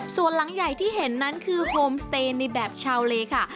ส่วนหลังใหญ่ที่เห็นนั้นคือโฮมสเตย์ในแบบชาวเลค่ะ